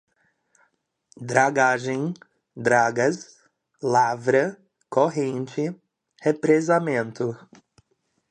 dragagem, dragas, lavra, corrente, represamento